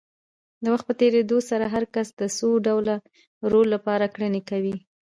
د وخت په تېرېدو سره هر کس د څو ډوله رول لپاره کړنې کوي.